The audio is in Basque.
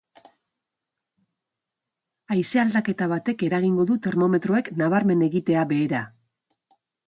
Haize-aldaketa batek eragingo du termometroek nabarmen egitea behera.